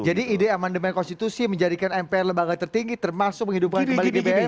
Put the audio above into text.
jadi ide amandemen konstitusi menjadikan mpr lembaga tertinggi termasuk menghidupkan kembali gbhn menentang presidensialisme